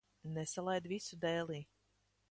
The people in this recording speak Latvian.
Nesalaid visu dēlī.